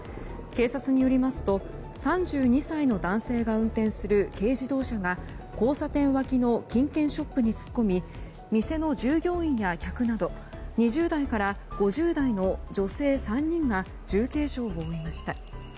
警察によりますと３２歳の男性が運転する軽自動車が交差点脇の金券ショップに突っ込み店の従業員や客など２０代から５０代の女性３人が重軽傷を負いました。